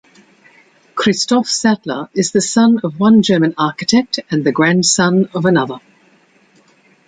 Christoph Sattler is the son of one German architect and the grandson of another.